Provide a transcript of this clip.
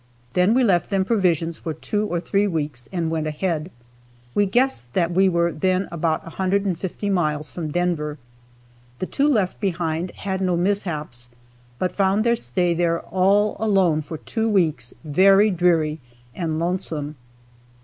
Then we left them provisions for two or three weeks and went ahead. We guessed that we were then about 150 miles from Denver. The two left behind had no mishaps, but found their stay there all alone for two weeks very dreary and lonesome.